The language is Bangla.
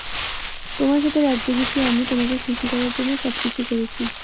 তোমার সাথে রাত জেগেছি আমি তোমাকে খুশি করার জন্য সবকিছু করেছি।